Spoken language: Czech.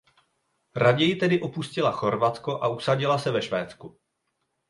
Raději tedy opustila Chorvatsko a usadila se ve Švédsku.